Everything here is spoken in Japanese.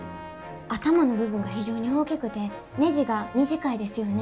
頭の部分が非常に大きくてねじが短いですよね？